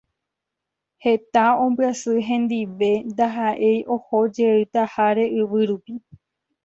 Heta ombyasy hendive ndahaʼéi ohojeytaháre yvy rupi.